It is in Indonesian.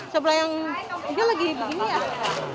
sebelah yang ini lagi begini ya